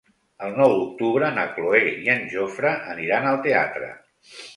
El nou d'octubre na Cloè i en Jofre aniran al teatre.